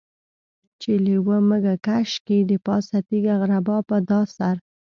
چې لېوه مږه کش کي دپاسه تيږه غربا په دا سر.